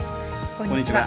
こんにちは。